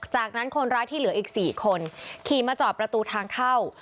จากนั้นคนร้ายที่เหลืออีก๔คนขี่มาจอดประตูทางเข้า